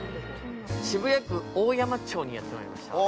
渋谷区大山町にやってきました。